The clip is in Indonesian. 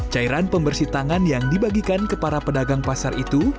cairan pembersih tangan yang dibagikan ke para pedagang pasar itu